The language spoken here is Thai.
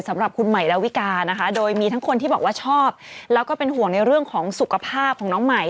สำหรับคุณใหม่ดาวิกานะคะโดยมีทั้งคนที่บอกว่าชอบแล้วก็เป็นห่วงในเรื่องของสุขภาพของน้องใหม่